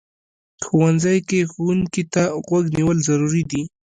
ښوونځی کې ښوونکي ته غوږ نیول ضروري دي